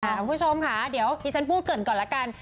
คุณผู้ชมค่ะเดี๋ยวที่ฉันพูดเกิดก่อนละกัน